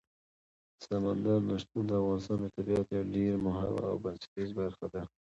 سمندر نه شتون د افغانستان د طبیعت یوه ډېره مهمه او بنسټیزه برخه ده.